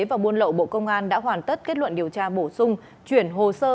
và buôn lậu bộ công an đã hoàn tất kết luận điều tra bổ sung chuyển hồ sơ